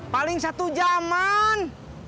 paling satu jaman